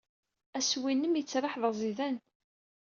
Assewwi-nnem yettraḥ d aẓidan.